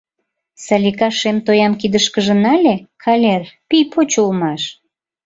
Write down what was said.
Салика шем тоям кидышкыже нале — калер, пий поч улмаш.